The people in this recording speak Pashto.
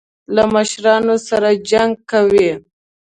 له مشرانو سره جنګ کوي.